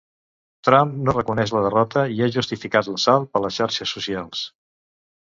Trump no reconeix la derrota i ha justificat l'assalt per les xarxes socials.